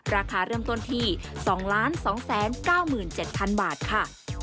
ราคาเริ่มต้นที่๒๒๙๗๐๐บาทค่ะ